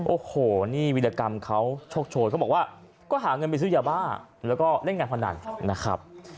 โอ้โหนี่วิรกรรมเขาโชคโชนเขาบอกว่าก็หาเงินไปซื้อยาบ้าแล้วก็เล่นการพนันนะครับ